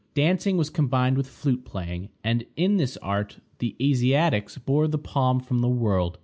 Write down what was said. Dancing was combined with flute playing, and in this art the Asiatics bore the palm from the world.